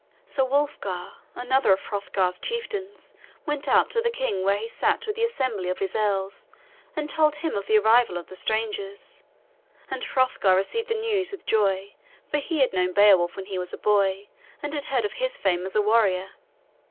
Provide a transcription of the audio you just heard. So Wulfgar, another of Hrothgar's chieftains, went out to the king where he sat with the assembly of his earls and told him of the arrival of the strangers, and Hrothgar received the news with joy, for he had known Beowulf when he was a boy, and had heard of his fame as a warrior.